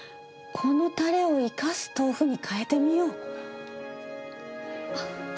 このたれを生かす豆腐に変えてみよう。